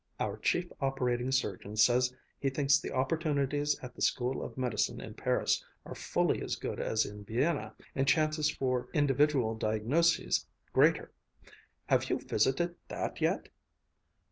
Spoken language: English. Our chief operating surgeon says he thinks the opportunities at the School of Medicine in Paris are fully as good as in Vienna, and chances for individual diagnoses greater. Have you visited that yet?'"